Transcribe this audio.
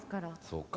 そうか。